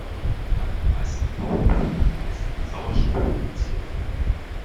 Nach den meisten Tauchunfällen ist Sauerstoff indiziert.